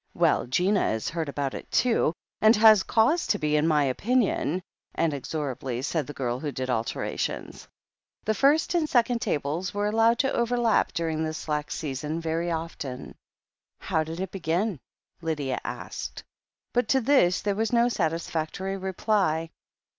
"Well, Gina is hurt about it, too — ^and has cause to be, in my opinion," inexorably said the girl who did alterations. The first and second tables were allowed to overlap during the slack season very often. "How did it begin ?" Lydia asked. But to this there was no satisfactory reply.